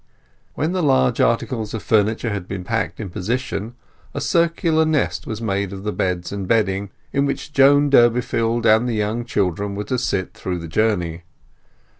When the large articles of furniture had been packed in position, a circular nest was made of the beds and bedding, in which Joan Durbeyfield and the young children were to sit through the journey.